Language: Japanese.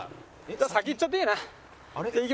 じゃあ先行っちゃっていいな。